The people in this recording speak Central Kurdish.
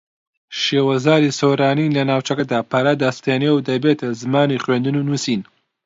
شێوەزاری سۆرانی لە ناوچەکەدا پەرە دەستێنێ و دەبێتە زمانی خوێندن و نووسین